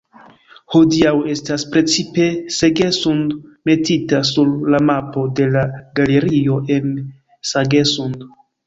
Hodiaŭ estas precipe Sagesund metita sur la mapo de la galerio en Sagesund.